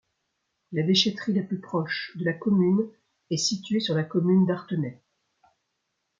La déchèterie la plus proche de la commune est située sur la commune d'Artenay.